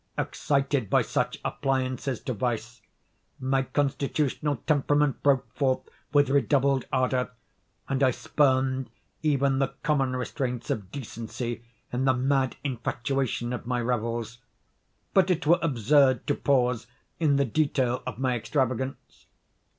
Excited by such appliances to vice, my constitutional temperament broke forth with redoubled ardor, and I spurned even the common restraints of decency in the mad infatuation of my revels. But it were absurd to pause in the detail of my extravagance.